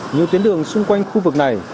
nhiều tuyến đường xung quanh khu vực này